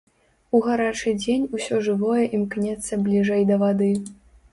У гарачы дзень ўсё жывое імкнецца бліжэй да вады.